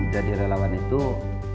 jadi relawan itu harus datang dari hati ya